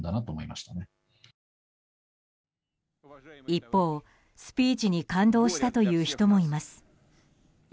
一方、スピーチに感動したという人もいます。